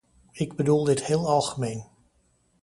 Ik bedoel dit heel algemeen.